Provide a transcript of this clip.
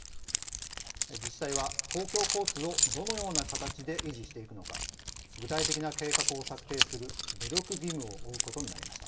自治体は公共交通をどのような形で維持していくのか具体的な計画を策定する努力義務を負うことになりました。